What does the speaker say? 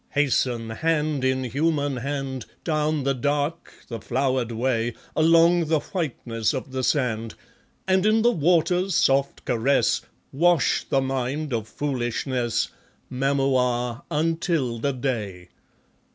Hasten, hand in human hand, Down the dark, the flowered way, Along the whiteness of the sand, And in the water's soft caress, Wash the mind of foolishness, Mamua, until the day.